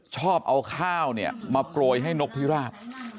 ชอบเอาข้าวเนี่ยมาโปรยให้นกพิราบ